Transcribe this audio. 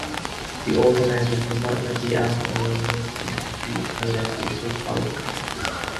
The organizers would not let the Alfa Romeo team compete unless they pre-qualified.